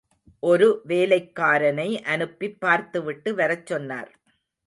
ஒரு வேலைக்காரனை அனுப்பிப் பார்த்துவிட்டு வரச் சொன்னார்.